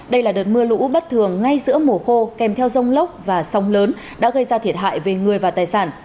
đây là đợt mưa lũ bất thường ngay giữa mùa khô kèm theo rông lốc và sông lớn đã gây ra thiệt hại về người và tài sản